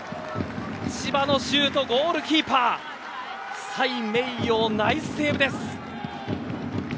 千葉のシュート、ゴールキーパーサイ・メイヨウナイスセーブです。